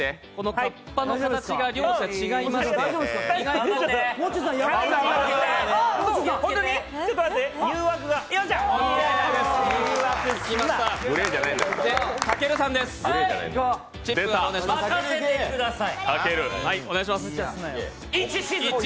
かっぱの形が両者違いまして任せてください！